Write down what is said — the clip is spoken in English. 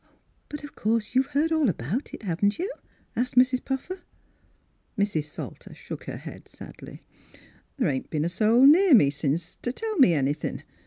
" But of course you've heard all about it; haven't you.? " asked Mrs. Puffer. Mrs. Salter shook her head sadly. " The' ain't a soul been near me since t' tell me anything.